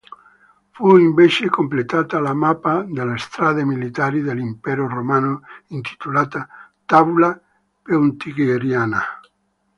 Fu invece completata la mappa delle strade militari dell'Impero romano, intitolata "Tabula Peutingeriana".